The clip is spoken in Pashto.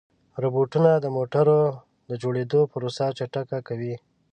روبوټونه د موټرو د جوړېدو پروسه چټکه کوي.